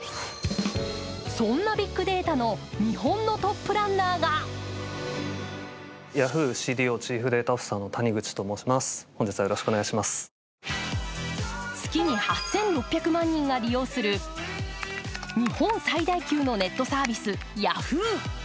そんなビッグデータの日本のトップランナーが月に８６００万人が利用する、日本最大級のネットサービス